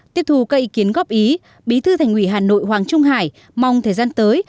tiếp thu các ý kiến góp ý bí thư thành ủy hà nội hoàng trung hải mong thời gian tới